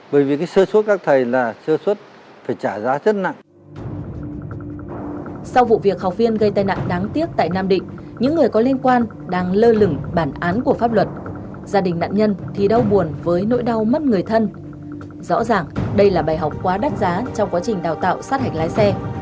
bài học quá đắt giá trong quá trình đào tạo sát hạch lái xe